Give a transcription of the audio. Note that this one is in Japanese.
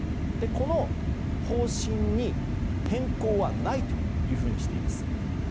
この方針に変更はないというふうにしています。